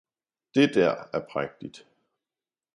Det dér er prægtigt!